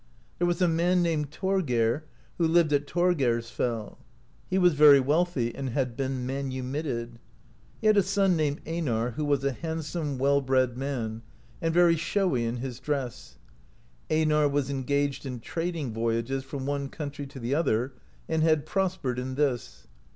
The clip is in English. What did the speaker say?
There was a man named Thorgeir, who lived at Thorgeirsfell (28) ; he was very wealthy and had been manumitted ; he had a son named Einar, who was a handsome, well bred man, and very showy in his dress. Einar was engaged in trading voyages from one country to the other, and had prospered in this.